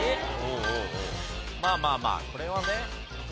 まあまあまあこれはね。